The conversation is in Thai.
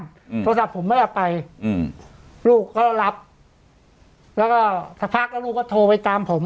โทรศัพท์ผมไม่ได้ไปอืมลูกก็รับแล้วก็สักพักแล้วลูกก็โทรไปตามผม